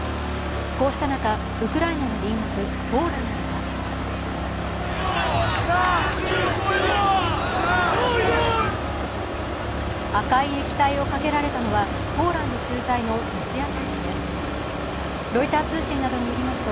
こうした中、ウクライナの隣国ポーランドでは赤い液体をかけられたのはポーランド駐在のロシア大使です。